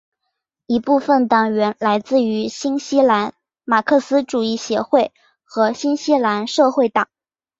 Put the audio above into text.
一部分党员来自于新西兰马克思主义协会和新西兰社会党。